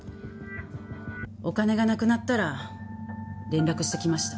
お金がなくなったら連絡してきました。